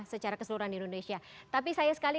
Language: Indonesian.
secara keseluruhan di indonesia tapi saya sekali